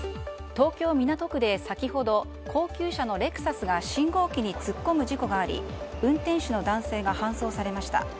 東京・港区で先ほど高級車のレクサスが信号機に突っ込む事故があり運転手の男性が搬送されました。